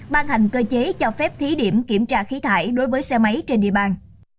ban hành cơ chế cho phép thí điểm kiểm tra khí thải đối với xe máy trên địa bàn